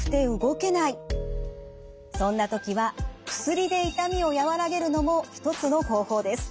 そんな時は薬で痛みを和らげるのも一つの方法です。